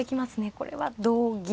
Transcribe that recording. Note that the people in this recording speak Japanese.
これは同銀と。